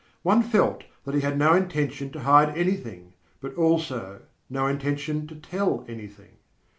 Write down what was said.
One felt that he had no intention to hide anything, but also no intention to tell anything.